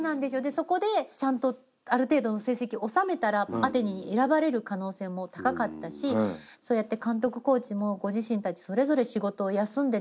そこでちゃんとある程度の成績収めたらアテネに選ばれる可能性も高かったしそうやって監督コーチもご自身たちそれぞれ仕事を休んでですね来て下さってる。